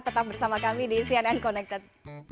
tetap bersama kami di cnn connected